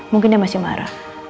mungkin dia masih marah